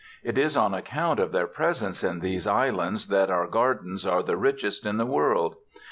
It is on account of their presence in these islands that our gardens are the richest in the world.